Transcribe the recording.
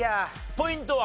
ポイントは？